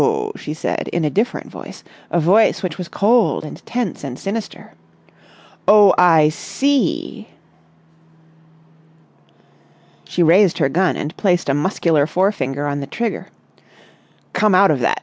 she said in a different voice, a voice which was cold and tense and sinister. "Oh, I see!" She raised her gun, and placed a muscular forefinger on the trigger. "Come out of that!"